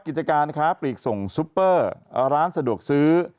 กิจการค้าปลีกส่งซุปเปอร์ร้านสะดวกซื้อ